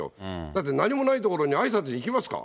だって、何もないところにあいさつに行きますか？